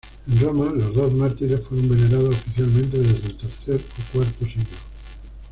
En Roma, los dos mártires fueron venerados oficialmente desde el tercer o cuarto siglo.